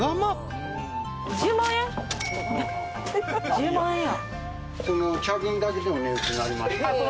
１０万円や。